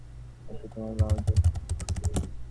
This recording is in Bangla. এতে তোমার বাহাদুরিটা কী জিজ্ঞাসা করি?